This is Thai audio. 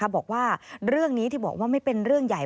บอกว่าเรื่องนี้ที่บอกว่าไม่เป็นเรื่องใหญ่